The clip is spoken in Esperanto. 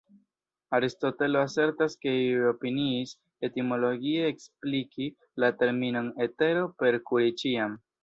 Aristotelo asertas ke iuj opiniis etimologie ekspliki la terminon “etero” per "kuri ĉiam”.